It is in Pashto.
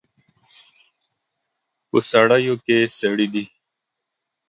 په سړیو کې سړي دي